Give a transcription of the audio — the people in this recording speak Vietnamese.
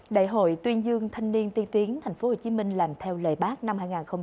đại hội tuyên dương thanh niên tiên tiến thành phố hồ chí minh làm theo lời bác năm hai nghìn hai mươi bốn